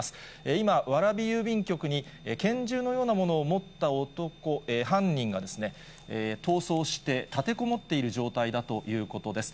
今、蕨郵便局に拳銃のようなものを持った男、犯人が、逃走して、立てこもっている状態だということです。